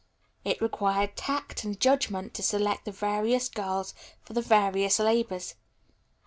It required tact and judgment to select the various girls for the various labors.